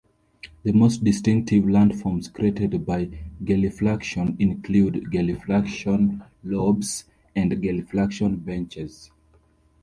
The most distinctive landforms created by gelifluction include gelifluction lobes and gelifluction benches.